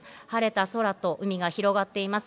晴れた空と海が広がっています。